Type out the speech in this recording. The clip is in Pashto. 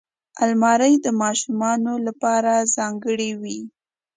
الماري د ماشومانو لپاره ځانګړې وي